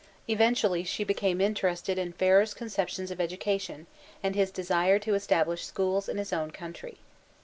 Eventually she became interested in Ferrer's concep tions of education, and his desire to establish schools ic his own country.